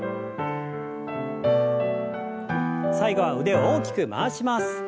最後は腕を大きく回します。